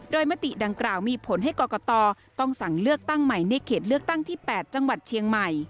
โดยมติดังกล่าวมีผลให้กรกตต้องสั่งเลือกตั้งใหม่ในเขตเลือกตั้งที่๘จังหวัดเชียงใหม่